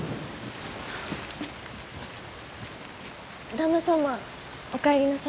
旦那様お帰りなさいませ。